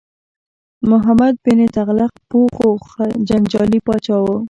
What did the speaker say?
محمد بن تغلق پوه خو جنجالي پاچا و.